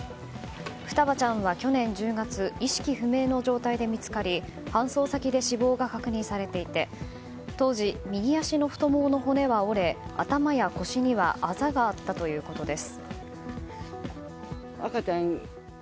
双葉ちゃんは去年１０月意識不明の状態で見つかり搬送先で死亡が確認されていて当時、右足の太ももの骨は折れ頭や腰にはあざがあったということです。